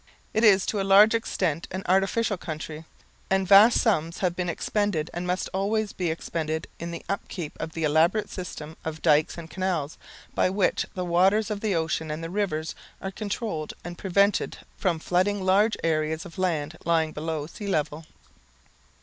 It is to a large extent an artificial country; and vast sums have been expended and must always be expended in the upkeep of the elaborate system of dykes and canals, by which the waters of the ocean and the rivers are controlled and prevented from flooding large areas of land lying below sea level.